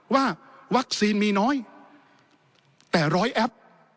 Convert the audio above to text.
ว่าวัคซีนมีน้อยแต่ร้อยแอป